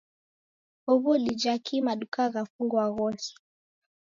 Huw'u dija kii maduka ghafungwa ghose?